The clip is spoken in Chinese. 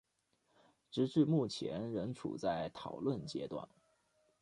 直至目前仍处在讨论阶段。